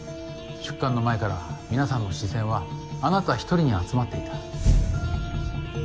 出棺の前から皆さんの視線はあなた１人に集まっていた。